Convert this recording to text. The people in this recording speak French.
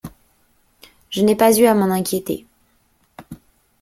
Je n’ai pas eu à m’en inquiéter.